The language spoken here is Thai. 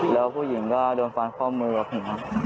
แล้วผู้หญิงก็โดนฟันข้อมือกับผมครับ